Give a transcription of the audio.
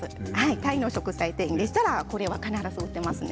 タイの食材店でしたら必ず売っていますね。